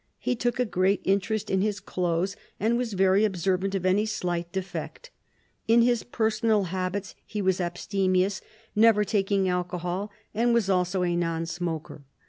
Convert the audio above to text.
He took a great interest in his clothes, and was very observant of any slight defect. In his personal habits he was abstemious, never taking alcohol, and was also a non smoker.